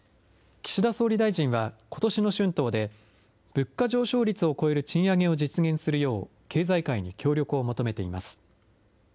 岸田総理大臣は、ことしの春闘で、物価上昇率を超える賃上げを実現するよう経済界に協力を求めています。